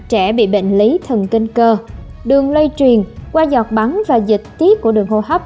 trẻ bị bệnh lý thần kinh cơ đường lây truyền qua giọt bắn và dịch tiết của đường hô hấp